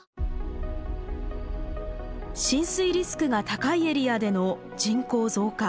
浸水リスクが高いエリアでの人口増加。